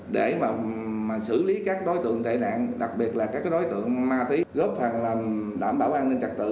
để xử lý các đối tượng tai nạn đặc biệt là các đối tượng ma tí góp phần làm đảm bảo an ninh trật tự